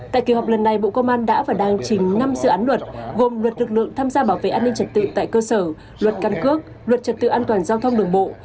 tại kỳ họp lần này bộ công an đã và đang trình năm dự án luật gồm luật lực lượng tham gia bảo vệ an ninh trật tự tại cơ sở luật căn cước luật trật tự an toàn giao thông đường bộ